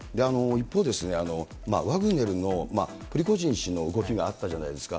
一方でワグネルのプリゴジン氏の動きがあったじゃないですか。